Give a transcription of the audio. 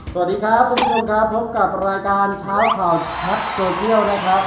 สวัสดีครับคุณผู้ชมครับพบกับรายการเช้าข่าวชัดโซเชียลนะครับ